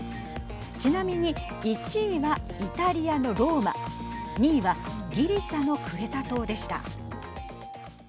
ちなみに１位はイタリアのローマ２位はギリシャのクレタ島でした。